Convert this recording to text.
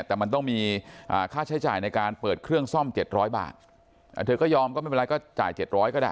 แต่มันต้องมีค่าใช้จ่ายในการเปิดเครื่องซ่อม๗๐๐บาทเธอก็ยอมก็ไม่เป็นไรก็จ่าย๗๐๐ก็ได้